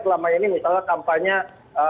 selama ini misalnya kampanye